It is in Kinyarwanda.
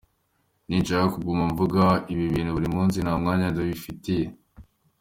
Nsinshaka kuguma mvuga ibi bintu buri musi, nta mwanya ndabifitiye.